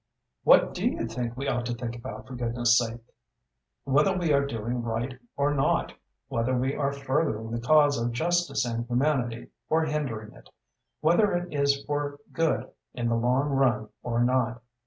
"What do you think we ought to think about, for goodness' sake?" "Whether we are doing right or not, whether we are furthering the cause of justice and humanity, or hindering it. Whether it is for good in the long run or not.